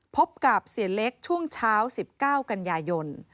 พบกับเสียเล็กช่วงเช้า๑๙กันยายน